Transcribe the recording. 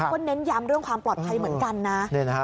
ก็เน้นย้ำเรื่องความปลอดภัยเหมือนกันนะ